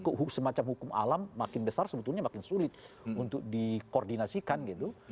kalau semacam hukum alam makin besar sebetulnya makin sulit untuk dikoordinasikan gitu